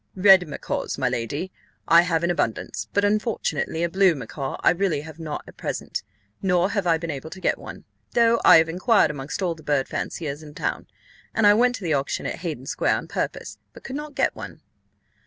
"Red macaws, my lady, I have in abundance; but unfortunately, a blue macaw I really have not at present; nor have I been able to get one, though I have inquired amongst all the bird fanciers in town; and I went to the auction at Haydon square on purpose, but could not get one."